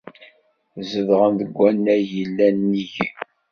Zedɣen deg wannag yellan nnig-i.